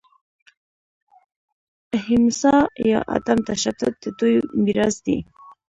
اهیمسا یا عدم تشدد د دوی میراث دی.